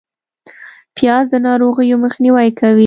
پیاز د ناروغیو مخنیوی کوي